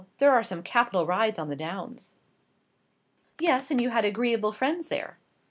There are some capital rides on the Downs." "Yes, and you had agreeable friends there."